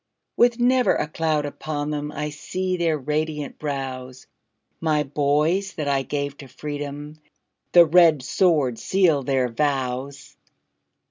With never a cloud upon them, I see their radiant brows; My boys that I gave to freedom, The red sword sealed their vows!